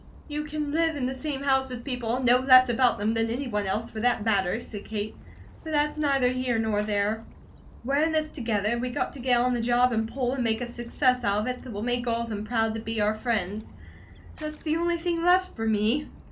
"You can live in the same house with people and know less about them than any one else, for that matter," said Kate, "but that's neither here nor there. We're in this together, we got to get on the job and pull, and make a success out of it that will make all of them proud to be our friends. That's the only thing left for me.